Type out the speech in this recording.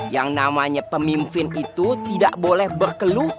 yang namanya pemimpin itu tidak boleh berkeluh